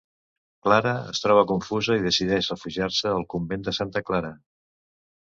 Clara es troba confusa, i decideix refugiar-se al convent de Santa Clara.